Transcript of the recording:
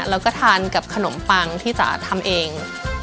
แล้วก็ทานกับขนมปังที่จ๋าทำเอง